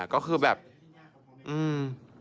ก็คือแบบอืม